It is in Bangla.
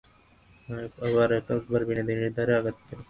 আবার একবার বিনোদিনীর দ্বারে আঘাত পড়িল।